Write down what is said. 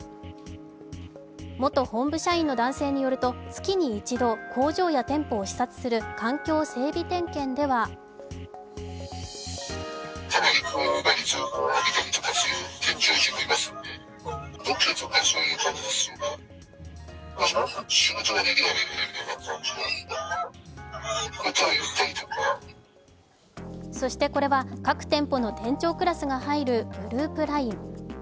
元本部社員の男性によると、月に一度、工場や店舗を視察する環境整備点検ではそしてこれは各店舗の店長クラスが入るグループＬＩＮＥ。